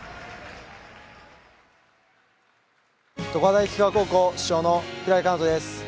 大菊川高校主将の平出奏翔です。